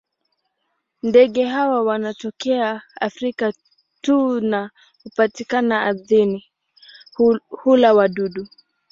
Ndege hawa wanatokea Afrika tu na hupatikana ardhini; hula wadudu.